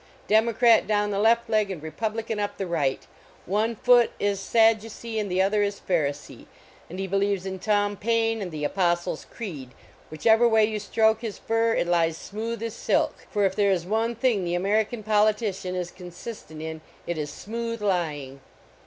Democrat down the left leg and Republican up the ri^ht ; one foot is Saddu cee and the other i> Phari>ee ; and he beli in Tom Paine and the Apostles en Whichever way you Mmke his fur it lie smooth as silk, for if there is one thing the 179 THE OLD ROAD SHOW American Politician is consistent in it is smooth lying.